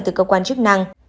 từ cơ quan chức năng